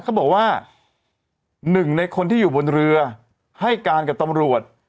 เขาบอกว่าหนึ่งในคนที่อยู่บนเรือให้การกับตำรวจ